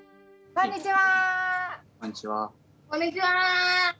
こんにちは！